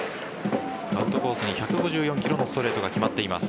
アウトコースに１５４キロのストレートが決まっています。